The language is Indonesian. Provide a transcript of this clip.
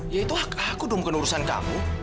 ya itu aku dong kenurusan kamu